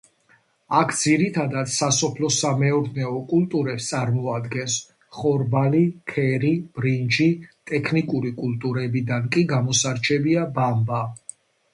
აქ ძირითად სასოფლო-სამეურნეო კულტურებს წარმოადგენს: ხორბალი, ქერი, ბრინჯი, ტექნიკური კულტურებიდან კი გამოსარჩევია ბამბა.